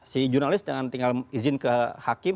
si jurnalis jangan tinggal izin ke hakim